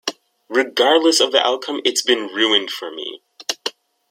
Regardless of the outcome it's been ruined for me.